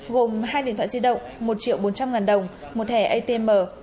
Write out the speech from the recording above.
gồm hai điện thoại di động một triệu bốn trăm linh ngàn đồng một thẻ atm